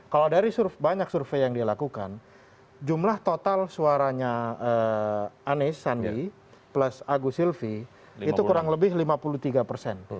kalau dari banyak survei yang dilakukan jumlah total suaranya anies sandi plus agus silvi itu kurang lebih lima puluh tiga persen